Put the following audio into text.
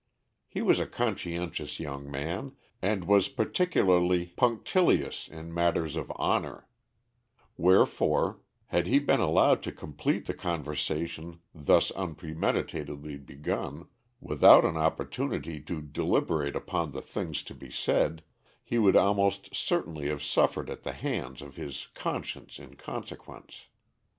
He was a conscientious young man, and was particularly punctilious in matters of honor; wherefore, had he been allowed to complete the conversation thus unpremeditatedly begun, without an opportunity to deliberate upon the things to be said, he would almost certainly have suffered at the hands of his conscience in consequence.